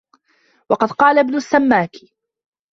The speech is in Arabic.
وَقَدْ قَالَ ابْنُ السَّمَّاكِ